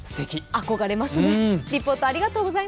憧れますね。